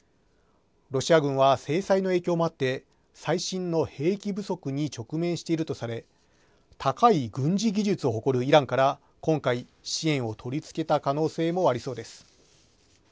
ロシア軍は制裁の影響もあって最新の兵器不足に直面しているとされ高い軍事技術を誇るイランから今回、支援を取りつけた可能性もありそうです。